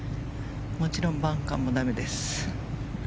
もちろんバンカーも駄目です。